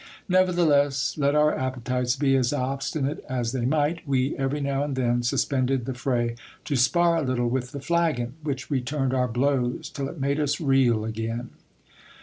Never theless, let our appetites be as obstinate as they might, we every now and then suspended the fray to spar a little with the flagon, which returned our blows till it made us reel again.